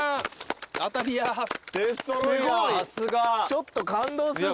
ちょっと感動する。